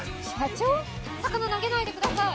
魚投げないでください！